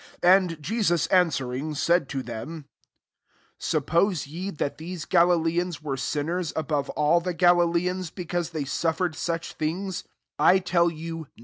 2 And Jesus answering, said to them', << Suppose ye that these Galileans were sinners above all the Galileans, because they suffered such things ? 3 I tell you.